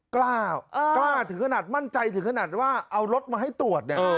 กล้าถึงขนาดมั่นใจถึงขนาดว่าเอารถมาให้ตรวจเนี่ย